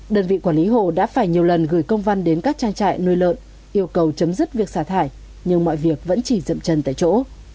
đơn vị quản lý hồ đã phải nhiều lần gửi công văn đến các trang trại nuôi lợn yêu cầu chấm dứt việc xả thải nhưng mọi việc vẫn chỉ dậm chân tại chỗ